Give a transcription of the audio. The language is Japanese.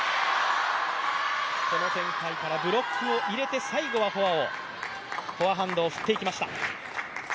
この展開からブロックを入れて最後はフォアハンドを振っていきました。